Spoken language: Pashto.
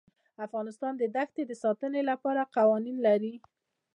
افغانستان د دښتې د ساتنې لپاره قوانین لري.